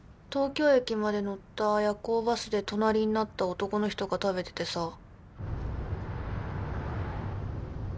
東京駅まで乗った夜行バスで隣になった男の人が食べててさ。